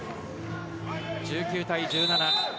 １９対１７。